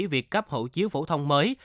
việc cấp hậu chiếu phổ thông mới